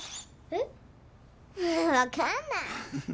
えっ分かんない。